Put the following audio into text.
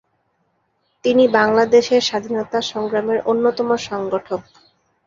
তিনি বাংলাদেশের স্বাধীনতা সংগ্রামের অন্যতম সংগঠক।